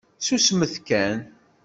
Susmet kan.